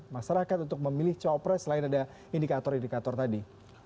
masyarakat untuk memilih cawapres selain ada indikator indikator tadi